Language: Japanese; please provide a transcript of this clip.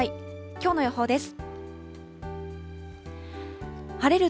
きょうの予報です。